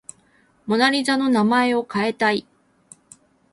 モナ・リザの名前を変えたい